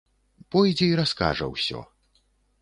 Пойдзе і раскажа ўсё.